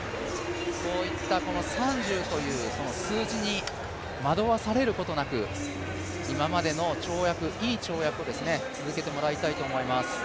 こういった３０という数字に惑わされることなく、今までのいい跳躍を続けてもらいたいと思います。